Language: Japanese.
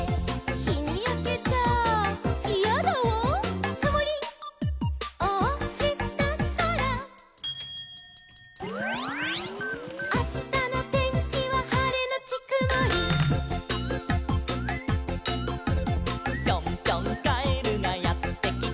「『ひにやけちゃイヤだわ』」「くもりをおしたから」「あしたのてんきははれのちくもり」「ぴょんぴょんカエルがやってきて」